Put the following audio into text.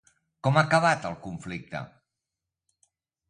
Com ha acabat el conflicte?